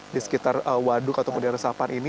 di sekitar waduk ataupun di resapan ini